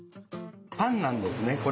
パンなんですね。